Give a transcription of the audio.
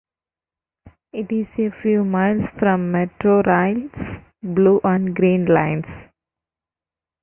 It is a few miles from Metrorail's Blue and Green lines.